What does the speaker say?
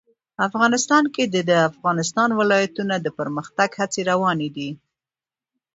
افغانستان کې د د افغانستان ولايتونه د پرمختګ هڅې روانې دي.